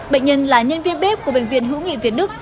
bệnh nhân là nhân viên bếp của bệnh viện hữu nghị việt đức